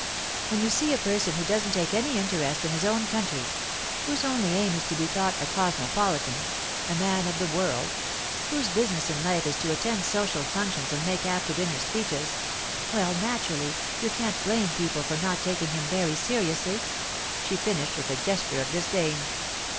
'When you see a person who doesn't take any interest in his own country; whose only aim is to be thought a cosmopolitan, a man of the world; whose business in life is to attend social functions and make after dinner speeches—well, naturally, you can't blame people for not taking him very seriously.' She finished with a gesture of disdain.